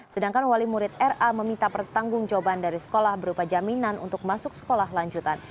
sedangkan wali murid ra meminta pertanggung jawaban dari sekolah berupa jaminan untuk masuk sekolah lanjutan